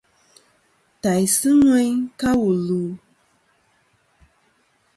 Tàysɨ ŋweyn ka wù lu.